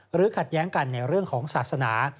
ขัดแย้งกันในเรื่องของศาสนา